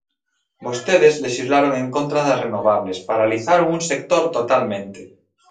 Vostedes lexislaron en contra das renovables, paralizaron un sector totalmente.